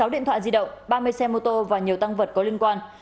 một mươi sáu điện thoại di động ba mươi xe mô tô và nhiều tăng vật có liên quan